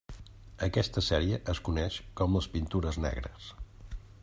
Aquesta sèrie es coneix com les Pintures Negres.